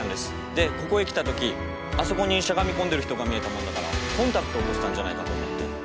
でここへ来た時あそこにしゃがみこんでる人が見えたもんだからコンタクトを落としたんじゃないかと思って。